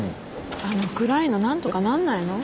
あの暗いの何とかなんないの？